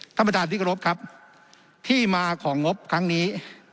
ท่านประธานที่กรบครับที่มาของงบครั้งนี้